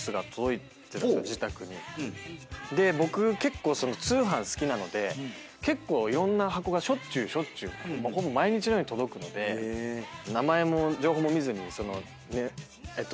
僕結構通販好きなので結構いろんな箱がしょっちゅう毎日のように届くので名前も情報も見ずに値札というか何ですか？